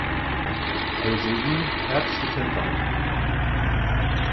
Also ihm herzlichen Dank.